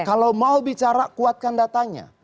kalau mau bicara kuatkan datanya